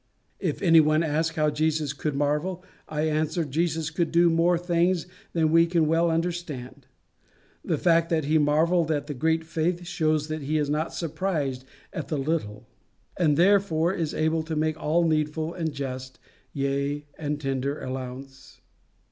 If any one ask how Jesus could marvel, I answer, Jesus could do more things than we can well understand. The fact that he marvelled at the great faith, shows that he is not surprised at the little, and therefore is able to make all needful and just, yea, and tender allowance.